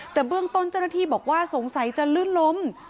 แต่เบื้องต้นเจ้าหน้าที่บอกว่าสงสัยจะลื่นล้ม